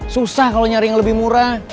susah kalau nyari yang lebih murah